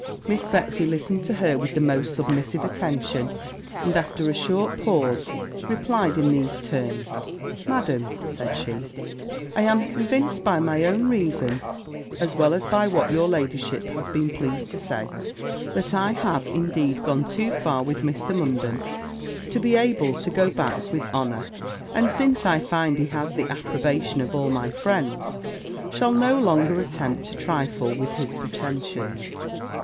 Miss Betsy listened to her with the most submissive attention; and, after a short pause, replied in these terms 'Madam,' said she, 'I am convinced, by my own reason as well as by what your ladyship has been pleased to say, that I have, indeed, gone too far with Mr. Munden to be able to go back with honour; and, since I find he has the approbation of all my friends, shall no longer attempt to trifle with his pretensions.'